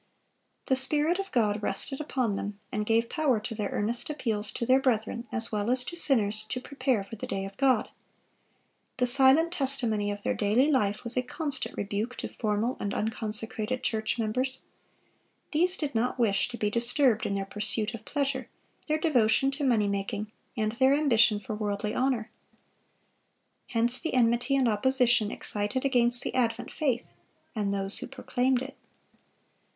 The Spirit of God rested upon them, and gave power to their earnest appeals to their brethren, as well as to sinners, to prepare for the day of God. The silent testimony of their daily life was a constant rebuke to formal and unconsecrated church members. These did not wish to be disturbed in their pursuit of pleasure, their devotion to money making, and their ambition for worldly honor. Hence the enmity and opposition excited against the advent faith and those who proclaimed it.